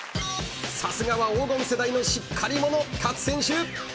さすがは黄金世代のしっかり者勝選手。